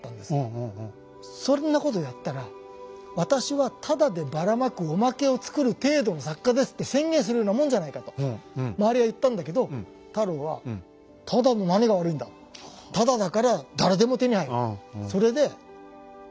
そんなことをやったら「私はタダでばらまくおまけを作る程度の作家です」って宣言するようなもんじゃないかと周りは言ったんだけど太郎はいやすごい人だったんだなあ。